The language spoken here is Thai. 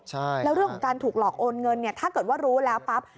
แล้วเรื่องของการถูกหลอกโอนเงินเนี่ยถ้าเกิดว่ารู้แล้วปั๊บ